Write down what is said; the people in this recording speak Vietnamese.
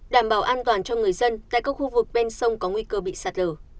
đảm bảo an toàn cho người dân tại các khu vực bên sông có nguy cơ bị sạt lở